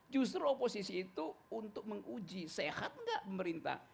justru oposisi itu untuk menguji sehat nggak pemerintah